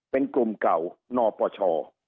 เป็นกลุ่มเก่านปช